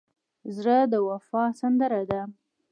زړه د وفا سندره ده.